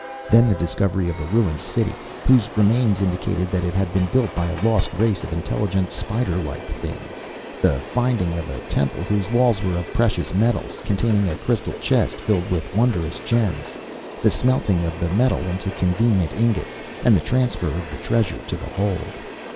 Then the discovery of a ruined city, whose remains indicated that it had been built by a lost race of intelligent, spiderlike things; the finding of a temple whose walls were of precious metals, containing a crystal chest filled with wondrous gems; the smelting of the metal into convenient ingots, and the transfer of the treasure to the hold.